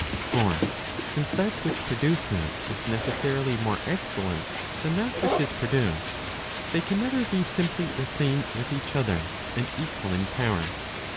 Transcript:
f For since that which produces is necessarily more excellent than that which is produced, they can never be simply the same with each other, and equal in power.